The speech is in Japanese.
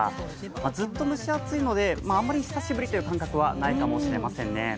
ずっと蒸し暑いので、あんまり久しぶりという感覚はないかもしれませんね。